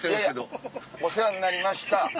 いやいやお世話になりました。